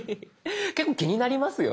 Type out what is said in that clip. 結構気になりますよね。